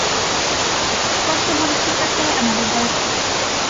স্পষ্টভাবে প্রচার করাই আমাদের দায়িত্ব।